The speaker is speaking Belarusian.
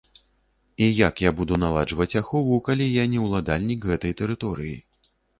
І як я буду наладжваць ахову, калі я не ўладальнік гэтай тэрыторыі.